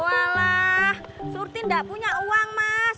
walah surti nggak punya uang mas